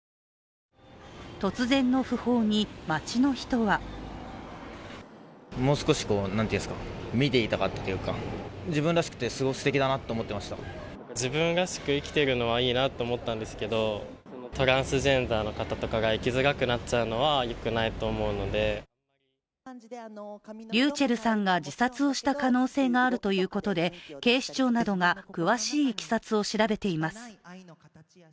突然の訃報に街の人はｒｙｕｃｈｅｌｌさんが自殺をした可能性があるということで、警視庁などが、詳しいいきさつを調べています。